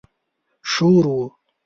شور و.